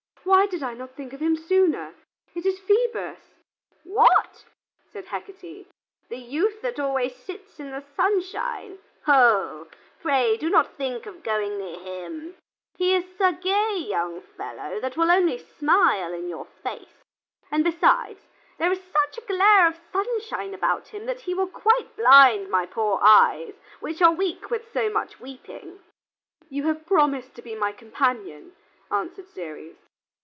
Why did I not think of him sooner? It is Phoebus." "What!" said Hecate, "the youth that always sits in the sunshine! Oh! pray do not think of going near him: he is a gay young fellow that will only smile in your face. And, besides, there is such a glare of sunshine about him that he will quite blind my poor eyes, which are weak with so much weeping." "You have promised to be my companion," answered Ceres.